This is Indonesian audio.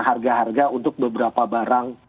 harga harga untuk beberapa barang